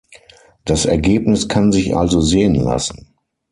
Das Ergebnis kann sich also sehen lassen.